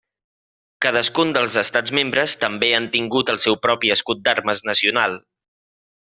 Cadascun dels estats membres també han tingut el seu propi escut d'armes nacional.